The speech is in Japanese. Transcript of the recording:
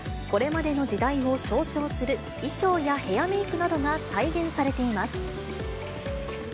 これまでの時代を象徴する、衣装やヘアメークなどが再現されています。